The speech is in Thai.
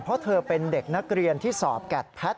เพราะเธอเป็นเด็กนักเรียนที่สอบแกดแพทย